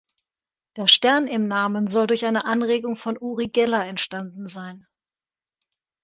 Der Stern im Namen soll durch eine Anregung von Uri Geller entstanden sein.